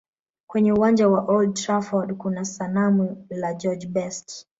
Kwenye uwanja wa old trafford kuna sanamu la george best